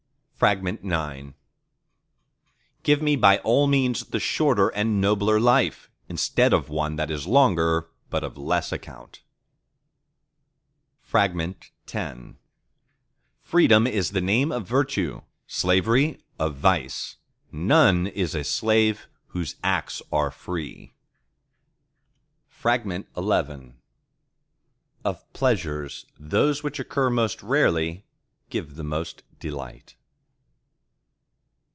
IX Give me by all means the shorter and nobler life, instead of one that is longer but of less account! X Freedom is the name of virtue: Slavery, of vice. ... None is a slave whose acts are free. XI Of pleasures, those which occur most rarely give the most delight.